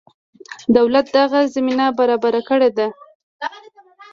دولت دغه زمینه برابره کړې ده.